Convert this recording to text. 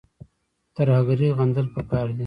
ترهګري غندل پکار دي